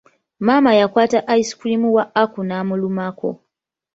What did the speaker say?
Maama yakwata ice cream wa Aku n'amulumako.